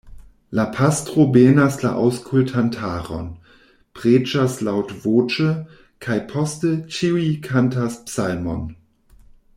La pastro benas la aŭskultantaron, preĝas laŭtvoĉe, kaj poste ĉiuj kantas psalmon.